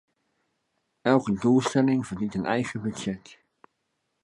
Elke doelstelling verdient een eigen budget.